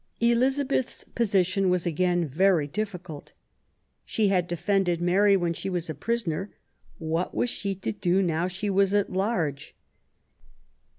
Elizabeth's position was again very difficult. She had defended Mary when she was a prisoner, what was she to do now she was at large